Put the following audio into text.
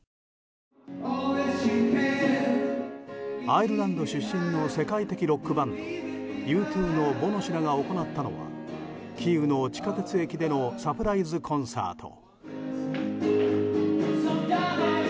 アイルランド出身の世界的ロックバンドＵ２のボノ氏らが行ったのはキーウの地下鉄駅でのサプライズコンサート。